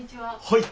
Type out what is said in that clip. はい。